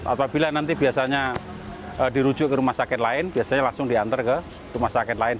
apabila nanti biasanya dirujuk ke rumah sakit lain biasanya langsung diantar ke rumah sakit lain